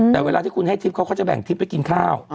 แต่เวลาที่คุณให้ทิพย์เขาจะแบ่งทิพย์ไปกินข้าว